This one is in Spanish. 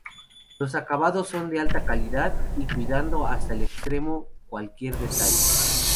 Los acabados son de alta calidad, y cuidando hasta el extremo cualquier detalle.